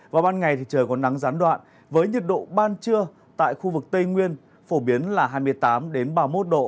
vào ban ngày thì trời còn nắng gián đoạn với nhiệt độ ban trưa tại khu vực tây nguyên phổ biến là hai mươi tám ba mươi một độ